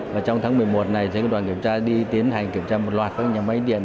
và trong tháng một mươi một này thì các đoàn kiểm tra đi tiến hành kiểm tra một loạt các nhà máy điện